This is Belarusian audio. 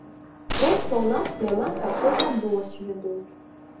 Проста ў нас няма такога досведу.